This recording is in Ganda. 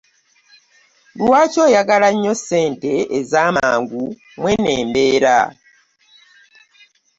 Lwaki oyagala nnyo ssente ez'amangu mweno embeera?